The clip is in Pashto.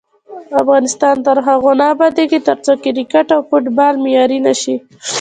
افغانستان تر هغو نه ابادیږي، ترڅو کرکټ او فوټبال معیاري نشي.